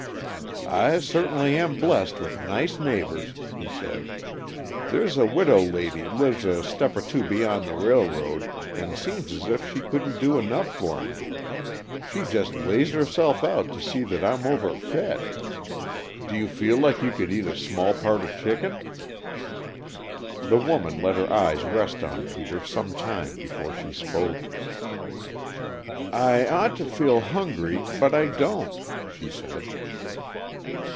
"I certainly am blessed with nice neighbors," he said. "There's a widow lady lives a step or two beyond the railroad, and seems as if she couldn't do enough for me. She just lays herself out to see that I'm overfed. Do you feel like you could eat a small part of chicken?" The woman let her eyes rest on Peter some time before she spoke. "I ought to feel hungry, but I don't," she said.